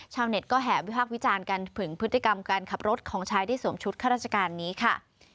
เน็ตก็แห่วิพากษ์วิจารณ์กันถึงพฤติกรรมการขับรถของชายที่สวมชุดข้าราชการนี้ค่ะ